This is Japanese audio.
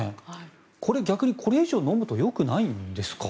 これ、逆にこれ以上飲むとよくないんですか？